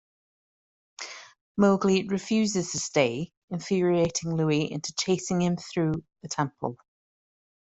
Mowgli refuses to stay, infuriating Louie into chasing him through the temple.